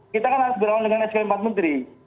kita kan harus berlawan dengan skp empat menteri